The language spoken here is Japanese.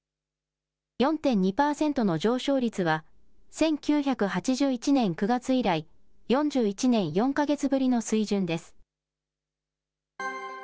４．２％の上昇率は、１９８１年９月以来、４１年４か月ぶりの水準です。